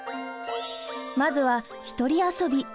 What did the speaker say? まずは「ひとり遊び」。